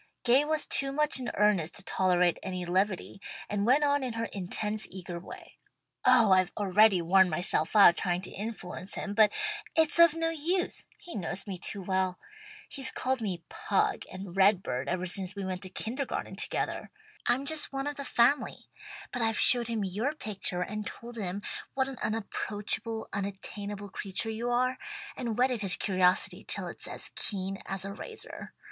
Gay was too much in earnest to tolerate any levity, and went on in her intense eager way. "Oh I've already worn myself out trying to influence him, but it's of no use. He knows me too well. He's called me 'Pug' and 'Red bird' ever since we went to kindergarten together. I'm just one of the family. But I've showed him your picture and told him what an unapproachable, unattainable creature you are, and whetted his curiosity till it's as keen as a razor.